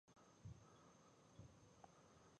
پامیر د افغانستان د اقتصادي ودې لپاره ډېر ارزښت لري.